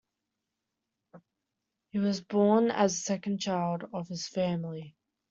He was born as the second child of his family.